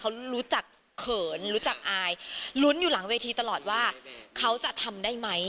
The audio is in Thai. เขารู้จักเขินรู้จักอายลุ้นอยู่หลังเวทีตลอดว่าเขาจะทำได้ไหม